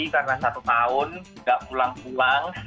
karena satu tahun gak pulang pulang